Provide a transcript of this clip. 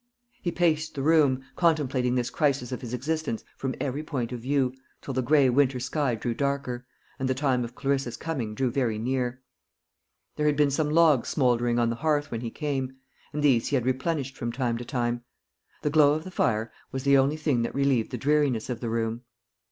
He paced the room, contemplating this crisis of his existence from every point of view, till the gray winter sky grew darker, and the time of Clarissa's coming drew very near. There had been some logs smouldering on the hearth when he came, and these he had replenished from time to time. The glow of the fire was the only thing that relieved the dreariness of the room.